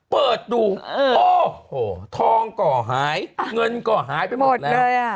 เปิดดูโอ้โหทองก่อหายเงินก็หายไปหมดเลยอ่ะ